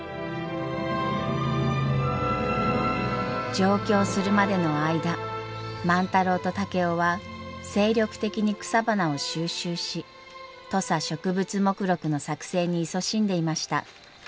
上京するまでの間万太郎と竹雄は精力的に草花を収集し土佐植物目録の作成にいそしんでいました。